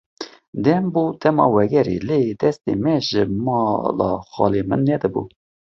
Dem bû dema vegerê, lê destê me ji mala xalê min nedibû.